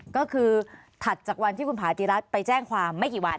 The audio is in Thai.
ก็คือถัดจากวันที่คุณผาติรัฐไปแจ้งความไม่กี่วัน